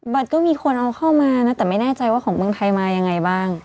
บัตรก็มีคนเอาเข้ามานะแต่ไม่แน่ใจว่าของเมืองไทยมายังไงบ้าง